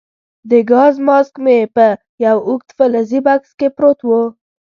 د ګاز ماسک مې په یو اوږد فلزي بکس کې پروت وو.